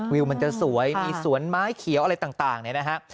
วิวมันจะสวยมีสวนไม้เขียวอะไรต่างเนี่ยนะฮะ